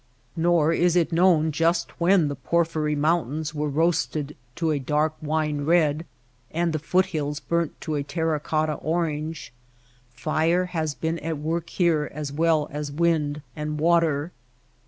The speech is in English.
Nor is it known just when the porphyry mountains were roasted to a dark wine red, and the foot hills burnt to a terra cotta orange. Fire has been at work here as well as wind and water.